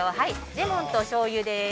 レモンとしょうゆです。